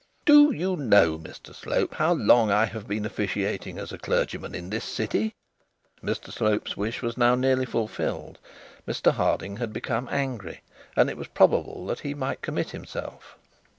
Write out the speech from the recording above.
'Do you know, Mr Slope, how long I have been officiating as a clergyman in this city?' Mr Slope's wish was now nearly fulfilled. Mr Harding had become very angry, and it was probable that he might commit himself.